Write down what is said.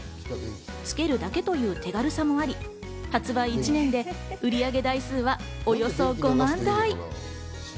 つけるだけという手軽さもあり、発売１年で売上台数はおよそ５万台。